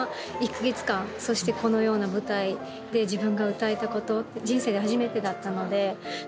そしてこのような舞台で自分が歌えたこと人生で初めてだったので。